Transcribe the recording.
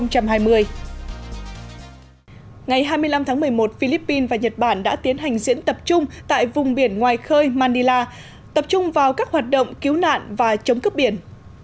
ngày hai mươi năm tháng một mươi một philippines và nhật bản đã tiến hành diễn tập chung tại vùng biển ngoài khơi manila tập trung vào các hoạt động cứu nạn và chống cướp biển